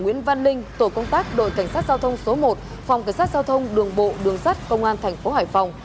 nguyễn văn linh tổ công tác đội cảnh sát giao thông số một phòng cảnh sát giao thông đường bộ đường sắt công an tp hải phòng